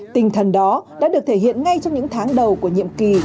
tinh thần đó đã được thể hiện ngay trong những tháng đầu của nhiệm kỳ